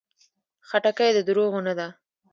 خټکی د دروغو نه ده.